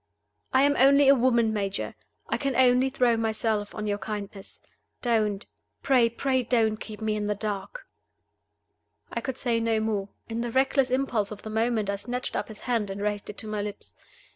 I am only a woman, Major. I can only throw myself on your kindness. Don't pray, pray don't keep me in the dark!" I could say no more. In the reckless impulse of the moment I snatched up his hand and raised it to my lips.